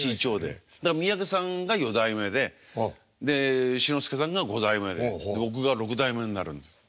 だから三宅さんが４代目で志の輔さんが５代目で僕が６代目になるんです。